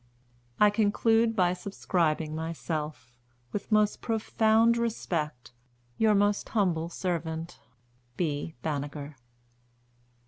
I conclude by subscribing myself, with the most profound respect, your most humble servant, "B. BANNEKER."